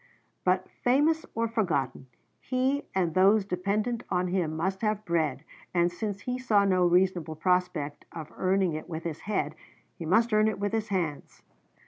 But famous or forgotten, he and those dependent on him must have bread; and since he saw no reasonable prospect of earning it with his head, he must earn it with his hands.